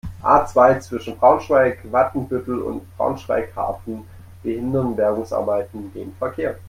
A-zwei, zwischen Braunschweig-Watenbüttel und Braunschweig-Hafen behindern Bergungsarbeiten den Verkehr.